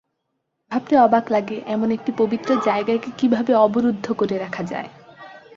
ভাবতে অবাক লাগে, এমন একটি পবিত্র জায়গাকে কীভাবে অবরুদ্ধ করে রাখা যায়।